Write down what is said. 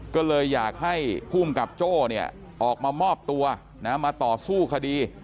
ก็เลยอยากให้ภูมิกับโจ้เนี่ยออกมามอบตัวมาต่อสู้คดี